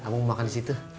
abang mau makan disitu